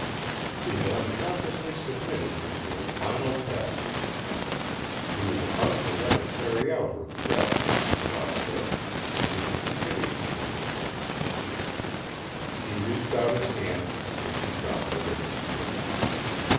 She had unconsciously submitted him to a final test. He was about to let her carry out her threat if she saw fit when his cupidity overcame him. He reached out his hand, and she dropped the ring into it.